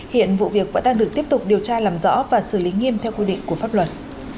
hiện vụ việc vẫn đang được tiếp tục điều tra làm rõ và xử lý nghiêm theo quy định của pháp luật